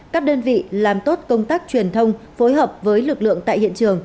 các đơn vị làm tốt công tác truyền thông phối hợp với lực lượng tại hiện trường